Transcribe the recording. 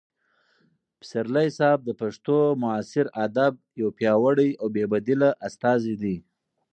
پسرلي صاحب د پښتو معاصر ادب یو پیاوړی او بې بدیله استازی دی.